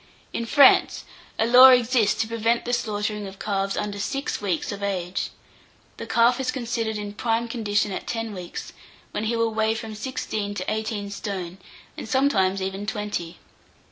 In France, a law exists to prevent the slaughtering of calves under six weeks of age. The calf is considered in prime condition at ten weeks, when he will weigh from sixteen to eighteen stone, and sometimes even twenty.